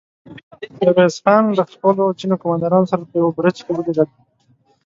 ميرويس خان له خپلو ځينو قوماندانانو سره په يوه برج کې ودرېد.